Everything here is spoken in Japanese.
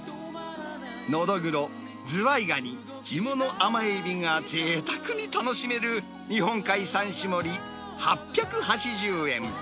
ノドグロ、ズワイガニ、地物甘エビがぜいたくに楽しめる、日本海三種盛り８８０円。